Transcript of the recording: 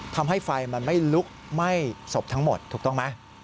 ทำให้ไฟมันไม่ลุกไหม้ศพทั้งหมดถูกต้องไหม